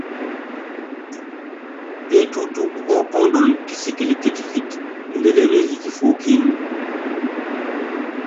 Etútúk ókondon kisikɛl kitikit iŋélé.